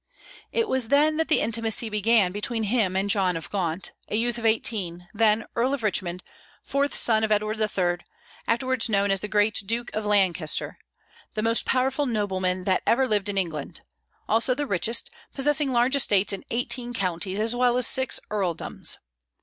It was then that the intimacy began between him and John of Gaunt, a youth of eighteen, then Earl of Richmond, fourth son of Edward III., afterwards known as the great Duke of Lancaster, the most powerful nobleman that ever lived in England, also the richest, possessing large estates in eighteen counties, as well as six earldoms.